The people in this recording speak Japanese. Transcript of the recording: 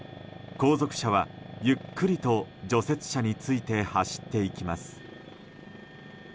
後続車はゆっくりと除雪車について走っていきます。